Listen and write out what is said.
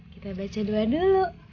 kita baca dua dulu